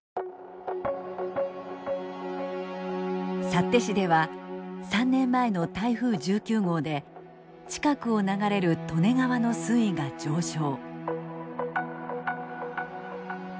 幸手市では３年前の台風１９号で近くを流れる利根川の水位が上昇。